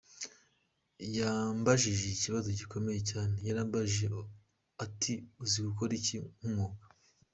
Yambajije ikibazo gikomeye cyane, yarambajije ati uzi gukora iki nk’umwuga?